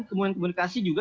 kemudian komunikasi juga